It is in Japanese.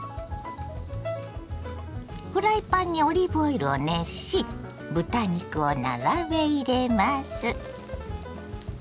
フライパンにオリーブオイルを熱し豚肉を並べ入れます。